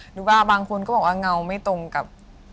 หรือว่าบางคนก็บอกว่าเงาไม่ตรงกับ